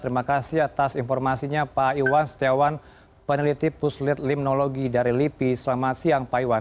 terima kasih atas informasinya pak iwan setiawan peneliti puslit limnologi dari lipi selamat siang pak iwan